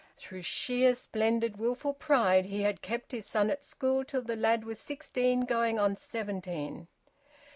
Through sheer splendid wilful pride he had kept his son at school till the lad was sixteen, going on seventeen!